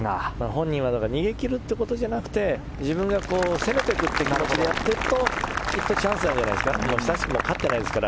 本人は逃げ切るということじゃなくて自分が攻めていくという形でやっていくときっとチャンスがあるんじゃないんですか。